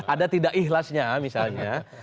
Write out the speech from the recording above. ada tidak ikhlasnya misalnya